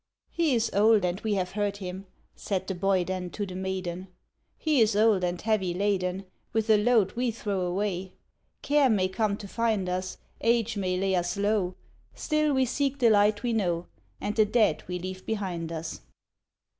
"He is old and we have heard him," Said the boy then to the maiden; "He is old and heavy laden With a load we throw away. Care may come to find us. Age may lay us low; Still, we seek the light we know. And the dead we leave behind us.